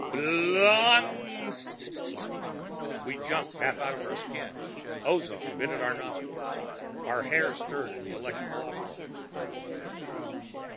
BLONG G G G ... st st st ... We jumped half out of our skins. Ozone bit at our nostrils. Our hair stirred in the electrical uproar.